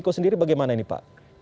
pak miko sendiri bagaimana ini pak